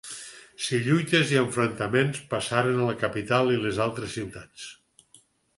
Si lluites i enfrontaments passaren a la capital i les altres ciutats.